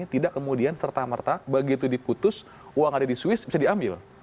tidak kemudian serta merta begitu diputus uang ada di swiss bisa diambil